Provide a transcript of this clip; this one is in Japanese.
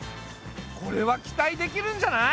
これは期待できるんじゃない？